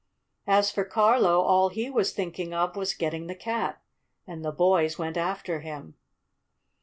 As for Carlo, all he was thinking of was getting the cat. And the boys went after him.